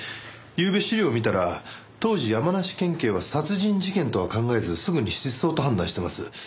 ゆうべ資料を見たら当時山梨県警は殺人事件とは考えずすぐに失踪と判断してます。